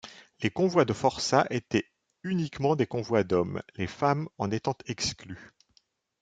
Les convois de forçats étaient uniquement des convois d'hommes, les femmes en étant exclues.